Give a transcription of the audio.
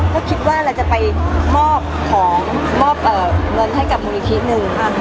ก็คิดว่าเราจะไปมอบเงินให้มูลนิกฤทธิ์หนึ่ง